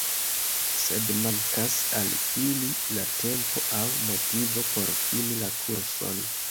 Sed mankas al ili la tempo aŭ motivo por fini la kurson.